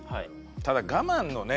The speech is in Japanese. ただ我慢のね